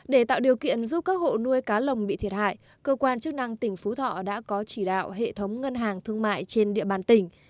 để tạo điều kiện giúp các hộ nuôi cá lồng bị thiệt hại cơ quan chức năng tỉnh phú thọ đã có chỉ đạo hệ thống ngân hàng thương mại trên địa bàn tỉnh